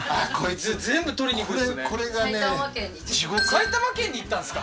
埼玉県に行ったんですか？